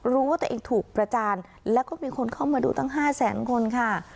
รู้ว่าตัวเองถูกประจานแล้วก็มีคนเข้ามาดูตั้ง๕แสนคนค่ะ